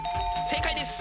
正解です